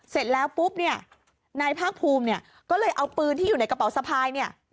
เสร็จแล้วปุ๊บเนี่ยนายภาคภูมิเนี่ยก็เลยเอาปืนที่อยู่ในกระเป๋าสะพายเนี่ย